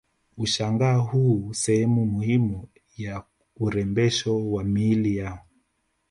Ushanga huu huwa sehemu muhimu ya urembesho wa miili yao